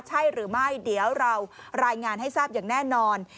ใช่หรือไม่เดี๋ยวเรารายงานให้ทราบอย่างแน่นอน